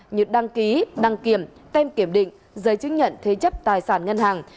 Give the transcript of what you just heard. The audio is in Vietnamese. như đăng ký đăng kiểm tem kiểm định giấy chứng nhận thế chấp tài sản ngân hàng